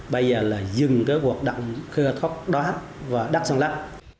bây giờ là dừng cái hoạt động khơi thoát và đắt sàn lấp